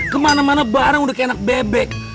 kemana mana bareng udah kayak anak bebek